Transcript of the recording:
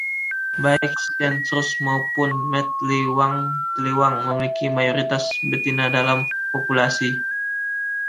Baik Steynsrus maupun Matlwangtlwang memiliki mayoritas Betina dalam populasi.